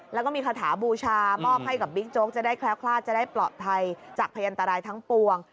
แล้วก็มีคาถาบูชามอบให้กับบิ๊กโจ๊กจะได้แคล้วคลาดจะได้ปลอดภัยจากพยันตรายทั้งปวง